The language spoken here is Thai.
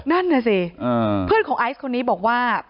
นั่นน่ะสิเพื่อนของไอซ์คนนี้บอกว่า